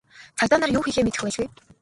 Цагдаа нар юу хийхээ мэдэх байлгүй.